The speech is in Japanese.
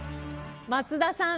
松田さん